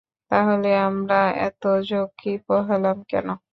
তাহলে আমরা এত ঝক্কি পোহালাম কেন?